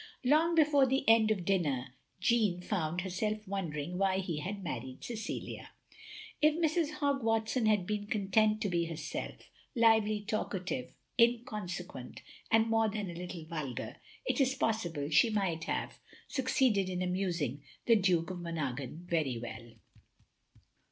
Long before the end of dinner Jeanne found herself wondering why he had married Cecilia. If Mrs. Hogg Watson had been content to be herself — ^lively, talkative, inconsequent, and more than a little vulgar, — ^it is possible she might have 2i8 THE LONELY LADY succeeded in amusing the Duke of Monaghan very well.